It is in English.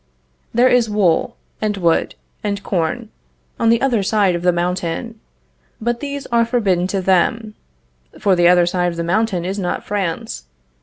There is wool, and wood, and corn, on the other side of the mountain, but these are forbidden to them; for the other side of the mountain is not France.